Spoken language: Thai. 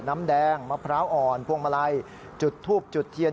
น้ำแดงมะพร้าวอ่อนพวงมาลัยจุดทูบจุดเทียน